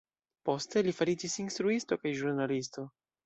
Poste, li fariĝis instruisto kaj ĵurnalisto.